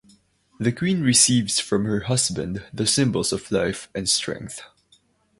The queen receives from her husband the symbols of life and strength.